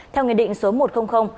theo nghị định số một trăm linh